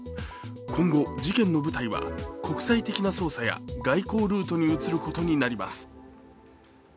今後、事件の舞台は国際的な捜査や外交ルートに移りことになります。